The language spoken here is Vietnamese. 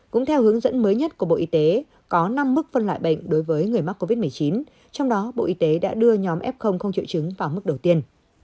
cũng theo hướng dẫn mới nhất của bộ y tế có năm mức phân loại bệnh đối với người mắc covid một mươi chín trong đó bộ y tế đã đưa nhóm f không triệu chứng vào mức đầu tiên